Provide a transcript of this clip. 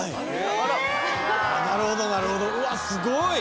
なるほどなるほどうわっすごい！